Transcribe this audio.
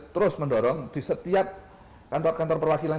terus mendorong di setiap kantor kantor perwakilan di seluruh perwakilan ini